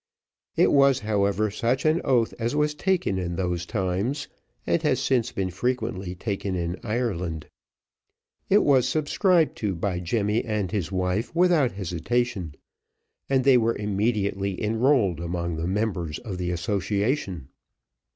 It was, however, such an oath as was taken in those times, and has since been frequently taken in Ireland. It was subscribed to by Jemmy and his wife without hesitation, and they were immediately enrolled among the members of the association.